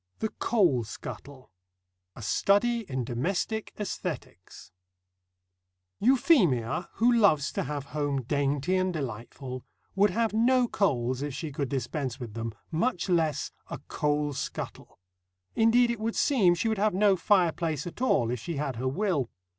THE COAL SCUTTLE A STUDY IN DOMESTIC ÆSTHETICS Euphemia, who loves to have home dainty and delightful, would have no coals if she could dispense with them, much less a coal scuttle. Indeed, it would seem she would have no fireplace at all, if she had her will.